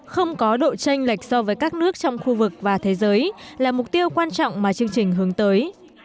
không có độ tranh lệch so với các nước trong khu vực và thế giới là mục tiêu quan trọng mà chương trình hướng tới